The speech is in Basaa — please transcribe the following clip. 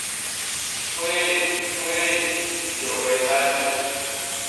Wééy! wééy! njôghe i nnay me!